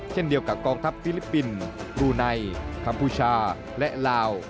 เช่นเดียวกับกองทัพฟิลิปปินส์บลูไนคัมพูชาและลาว